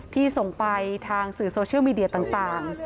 ที่ส่งไปทางสื่อโซเชียลมีเดียต่าง